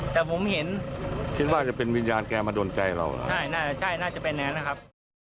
แต่ผมเห็นคิดว่าจะเป็นวิญญาณแกมาโดนใจเราใช่น่าจะใช่น่าจะเป็นอย่างนั้นนะครับ